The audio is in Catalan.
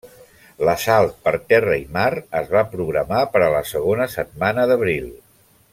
L'assalt per terra i mar es va programar per a la segona setmana d'abril.